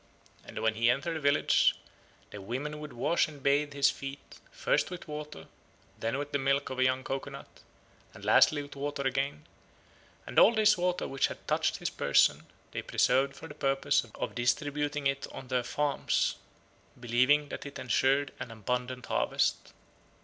And when he entered a village, the women would wash and bathe his feet, first with water, and then with the milk of a young coco nut, and lastly with water again, and all this water which had touched his person they preserved for the purpose of distributing it on their farms, believing that it ensured an abundant harvest.